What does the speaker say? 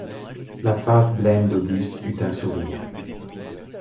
La face blême d’Auguste eut un sourire.